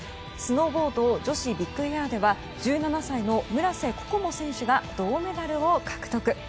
スノーボード女子ビッグエアでは１７歳の村瀬心椛選手が銅メダルを獲得。